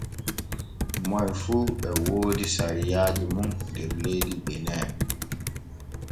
Moy fu e woodi sariaaji mun der leydi bene.